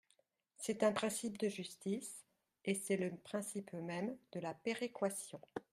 C’est un principe de justice, et c’est le principe même de la péréquation.